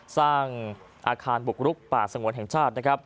สร้างอาคารบุกรุกป่าสงวนแห่งชาตินะครับ